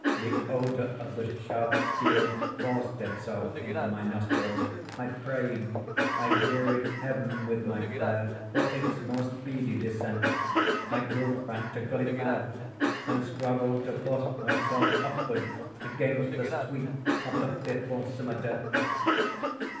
The odor of the sharp steel forced itself into my nostrils. I prayed—I wearied heaven with my prayer for its more speedy descent. I grew frantically mad, and struggled to force myself upward against the sweep of the fearful scimitar.